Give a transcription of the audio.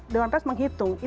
dengan resmen menghitung